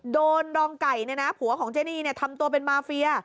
โดนรองไก่เนี่ยนะผัวของเจนีเนี่ยทำตัวเป็นมาเฟีย